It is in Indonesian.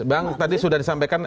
bang tadi sudah disampaikan